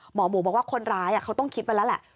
หมอหมูบอกว่าคนร้ายเขาต้องคิดไปแล้วแหละ